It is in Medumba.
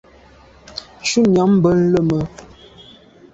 Shutnyàm be leme.